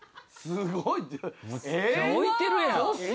すごい。